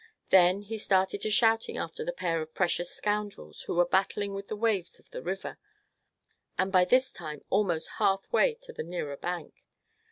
Then he started to shouting after the pair of precious scoundrels who were battling with the waves of the river, and by this time almost half way to the nearer bank.